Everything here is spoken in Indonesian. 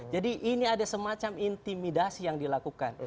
jadi ini ada semacam intimidasi yang dilakukan